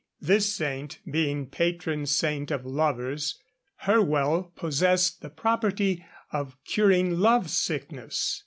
This saint being patron saint of lovers, her well possessed the property of curing love sickness.